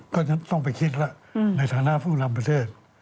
ก็จะต้องไปคิดแล้วในฐานะผู้นำประเทศ